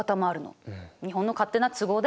日本の勝手な都合だよね。